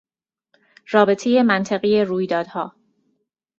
رابطهی منطقی رویدادها